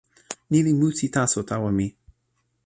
ni li musi taso tawa mi.